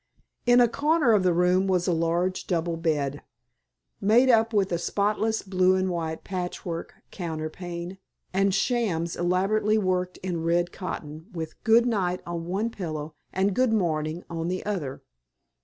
In a corner of the room was a large double bed, made up with a spotless blue and white patchwork counterpane, and "shams," elaborately worked in red cotton, with "Good Night" on one pillow and "Good Morning" on the other.